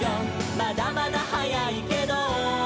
「まだまだ早いけど」